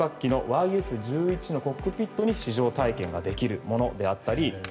国産旅客機のＹＳ１１のコックピットに試乗体験できるものだったり。